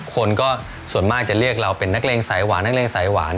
คนก็ส่วนมากจะเรียกเราเป็นนักเลงสายหวานนักเลงสายหวาน